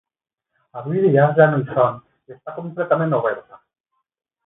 Avui dia ja no hi són i està completament oberta.